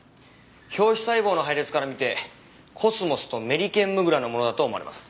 表皮細胞の配列から見てコスモスとメリケンムグラのものだと思われます。